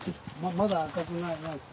まだ赤くない。